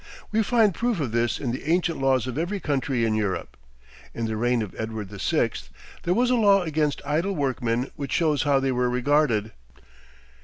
We find proof of this in the ancient laws of every country in Europe. In the reign of Edward VI. there was a law against idle workmen which shows how they were regarded.